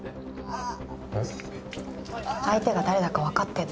あっ。